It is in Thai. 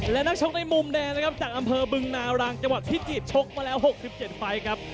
และนักชกในมุมแดงนะครับจากอำเภอบึงนารางจังหวัดพิจิตชกมาแล้ว๖๗ไฟล์ครับ